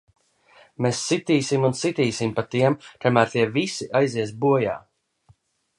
Mēs sitīsim un sitīsim pa tiem, kamēr tie visi aizies bojā!